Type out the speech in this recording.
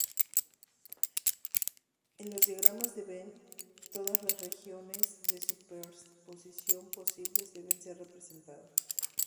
En los diagramas de Venn, todas las regiones de superposición posibles deben ser representadas.